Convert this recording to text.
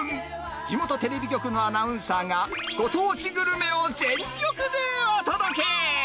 地元テレビ局のアナウンサーがご当地グルメを全力でお届け。